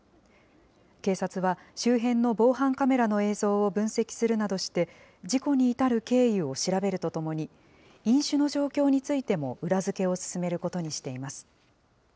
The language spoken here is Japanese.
警察は周辺の防犯カメラの映像を分析するなどして、事故に至る経緯を調べるとともに、飲酒の状況についても裏付けを進めることにしています。